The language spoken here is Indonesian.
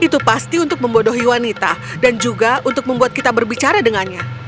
itu pasti untuk membodohi wanita dan juga untuk membuat kita berbicara dengannya